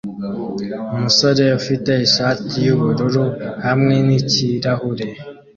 Umusore ufite ishati yubururu hamwe nikirahure